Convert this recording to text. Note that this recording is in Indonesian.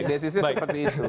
desisnya seperti itu